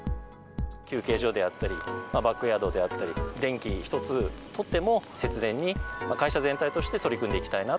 休憩所であったり、バックヤードであったり、電気一つとっても、節電に、会社全体として取り組んでいきたいな。